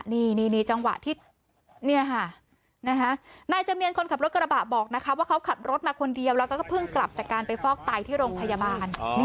นี่จังหวะที่นายจำเนียนคนขับรถกระบะบอกนะคะว่าเขาขับรถมาคนเดียวแล้วก็เพิ่งกลับจากการไปฟอกไตที่โรงพยาบาล